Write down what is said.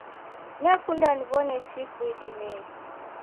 Nekunda niwo'ne chifu idimei.